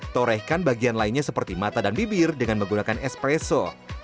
torehkan bagian lainnya seperti mata dan bibir dengan menggunakan espresso